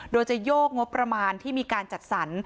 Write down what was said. โดยจะโยกงบประมาณที่มีการจัดสรร